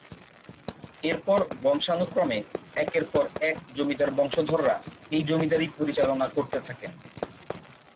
এরপর বংশানুক্রমে একের পর এক জমিদার বংশধররা এই জমিদারী পরিচালনা করতে থাকেন।